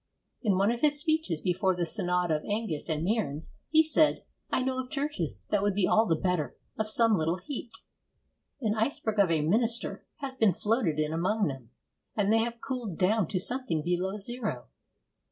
In one of his speeches, before the Synod of Angus and Mearns, he said, 'I know of churches that would be all the better of some little heat. An iceberg of a minister has been floated in among them, and they have cooled down to something below zero.'